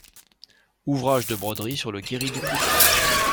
Ouvrage de broderie sur le guéridon de droite.